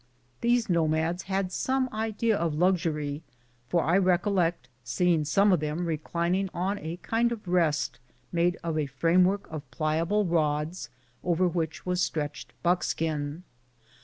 These nomads had some idea of luxury, for I recollect seeing some of tliem reclining on a kind of rest made of a framework of pliable rods, over which was stretched buckskin.